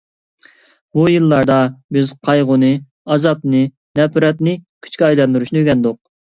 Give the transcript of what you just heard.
بۇ يىللاردا بىز قايغۇنى، ئازابنى، نەپرەتنى كۈچكە ئايلاندۇرۇشنى ئۆگەندۇق.